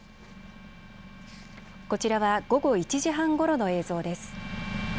こちらは午後１時半ごろの映像です。